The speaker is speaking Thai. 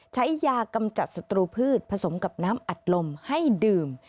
ใช้ยากำจัดศัตรูพืชผสมกับน้ำอัดลมให้ดื่ม